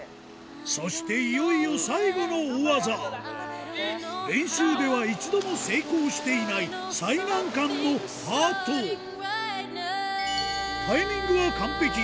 そしていよいよ最後の大技練習では一度も成功していない最難関のハートタイミングは完璧！